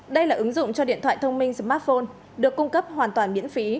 đây là ứng dụng cho điện thoại thông minh smartphone được cung cấp hoàn toàn miễn phí